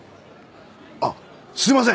あっすいません！